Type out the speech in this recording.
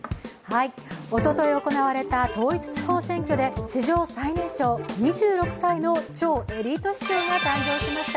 おととい行われた統一地方選挙で史上最年少、２６歳の超エリート市長が誕生しました。